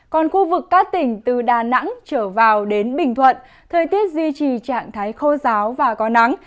còn khu vực các tỉnh từ đà nẵng trở vào đến bình thuận thời tiết duy trì trạng thái khô giáo và có nắng